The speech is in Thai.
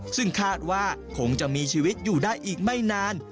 ซึ่งคาดว่าคงจะมีชีวิตอยู่ได้อีกไม่นาน